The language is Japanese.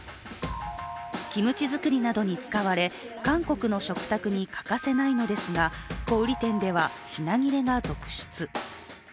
キムチ作りなどに使われ韓国の食卓に欠かせないのですが、小売店では品切れが続出。